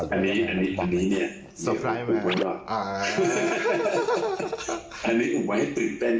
อันนี้เนี่ยอันนี้อุบไว้ให้ตื่นเต้นอีกนึง